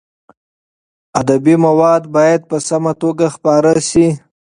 ادبي مواد باید په سمه توګه خپاره شي.